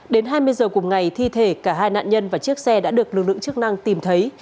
đến hai mươi giờ cùng ngày thi thể cả hai nạn nhân và chiếc xe đã được lực lượng chức năng tìm thấy